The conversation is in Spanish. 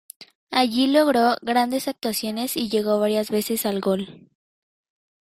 Allí logro grandes actuaciones y llegó varias veces al gol.